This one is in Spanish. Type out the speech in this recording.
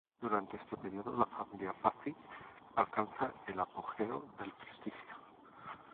Durante este período la familia Pazzi alcanza el apogeo del prestigio.